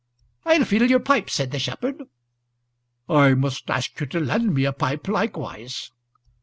"I'll fill your pipe," said the shepherd. "I must ask you to lend me a pipe likewise."